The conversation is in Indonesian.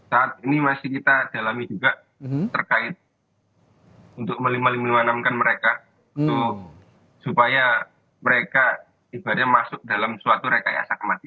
saat ini masih kita dalami juga terkait untuk menanamkan mereka supaya mereka ibaratnya masuk dalam suatu rekayasa kematian